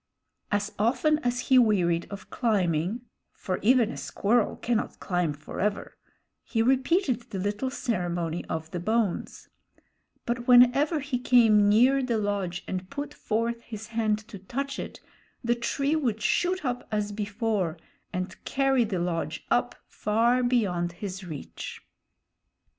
As often as he wearied of climbing, for even a squirrel cannot climb forever, he repeated the little ceremony of the bones; but whenever he came near the lodge and put forth his hand to touch it, the tree would shoot up as before and carry the lodge up far beyond his reach.